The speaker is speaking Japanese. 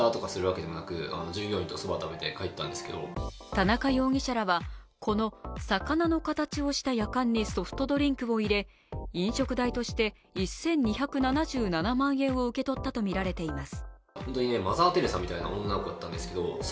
田中容疑者らは、この魚の形をしたやかんにソフトドリンクを入れ飲食代として１２７７万円を受け取ったとみられています。